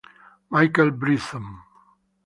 Michael Bryson